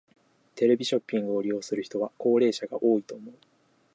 テレビショッピングを利用する人は高齢者が多いと思う。